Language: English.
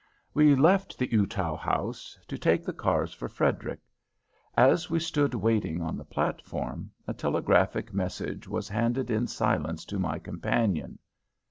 We left the Eutaw House, to take the cars for Frederick. As we stood waiting on the platform, a telegraphic message was handed in silence to my companion.